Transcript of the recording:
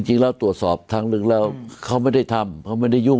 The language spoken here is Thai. จริงแล้วตรวจสอบครั้งหนึ่งแล้วเขาไม่ได้ทำเขาไม่ได้ยุ่ง